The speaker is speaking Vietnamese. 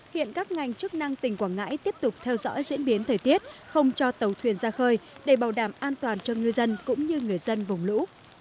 hiện các ngành chức năng tỉnh quảng ngãi tiếp tục theo dõi diễn biến thời tiết không cho tàu thuyền ra khơi để bảo đảm an toàn cho ngư dân cũng như người dân vùng lũ